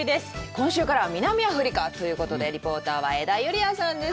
今週から南アフリカということで、リポーターは江田友莉亜さんです。